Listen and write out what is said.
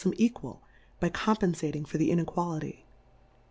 99 makes 'em equal, by compenfating for the inequality.